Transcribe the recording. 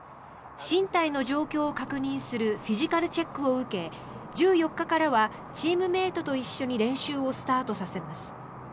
身体の状況を確認するフィジカルチェックを受け１４日からはチームメートと一緒に練習をスタートさせます。